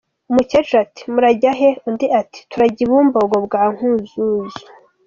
Umukecuru ati “Murajya he?" Undi ati "Turajya i Bumbogo bwa Nkuzuzu.